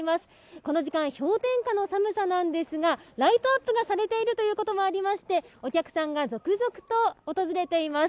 この時間、氷点下の寒さなんですがライトアップがされていることもありまして、お客さんが続々と訪れています。